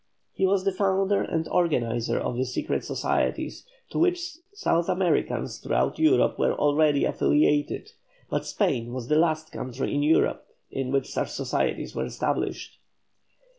He was the founder and organiser of the secret societies to which South Americans throughout Europe were already affiliated, but Spain was the last country in Europe in which such societies were established.